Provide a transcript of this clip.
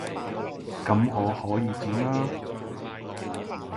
噉我可以點吖